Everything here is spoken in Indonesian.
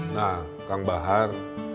nah kang bahar